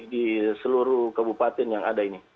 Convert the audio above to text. di seluruh kabupaten yang ada ini